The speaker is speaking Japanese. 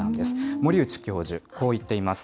森内教授、こう言っています。